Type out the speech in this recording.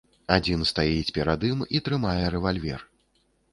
Адзін стаіць перад ім і трымае рэвальвер.